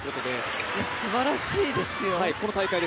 すばらしいですよ。